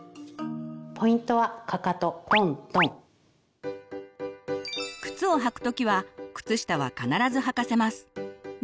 ポイントは靴を履く時は靴下は必ずはかせます。